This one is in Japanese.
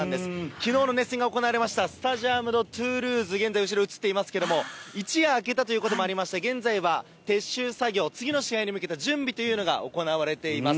きのうの熱戦が行われました、スタジアム・ド・トゥールーズ、現在、後ろ映っていますけれども、一夜明けたということもありまして、現在は撤収作業、次の試合に向けた準備というのが行われています。